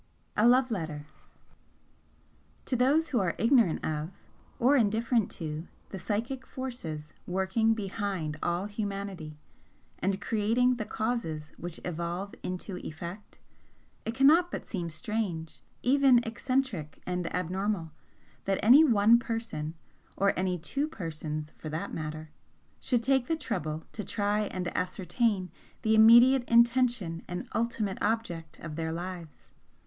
XII A LOVE LETTER To those who are ignorant of, or indifferent to, the psychic forces working behind all humanity and creating the causes which evolve into effect, it cannot but seem strange, even eccentric and abnormal, that any one person, or any two persons for that matter, should take the trouble to try and ascertain the immediate intention and ultimate object of their lives.